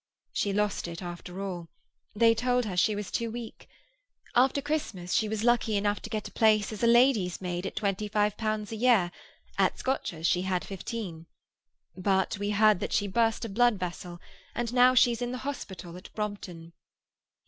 She lost it after all. They told her she was too weak. After Christmas she was lucky enough to get a place as a lady's maid at twenty five pounds a year—at Scotcher's she had fifteen. But we heard that she burst a blood vessel, and now she's in the hospital at Brompton."